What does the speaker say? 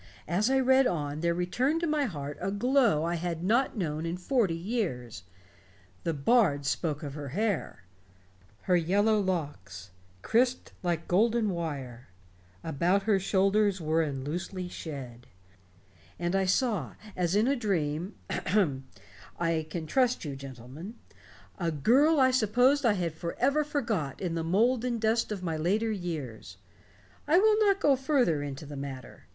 As I read on there returned to my heart a glow I had not known in forty years. The bard spoke of her hair: "'Her yellow lockes, crisped like golden wyre, About her shoulders weren loosely shed' and I saw, as in a dream ahem, I can trust you, gentlemen a girl I supposed I had forever forgot in the mold and dust of my later years. I will not go further into the matter.